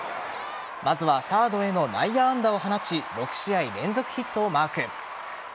まずはサードへの内野安打を放ち６試合連続ヒットをマーク。